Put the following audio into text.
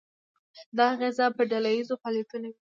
دا اغیزه په ډله ییزو فعالیتونو وي.